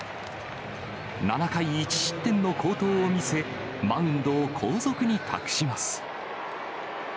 ７回１失点の好投を見せ、マウンドを後続に託します。